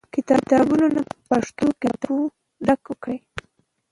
کتابتونونه په پښتو کتابونو ډک کړئ.